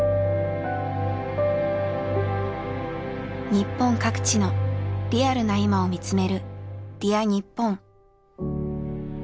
日本各地のリアルな今を見つめる「Ｄｅａｒにっぽん」。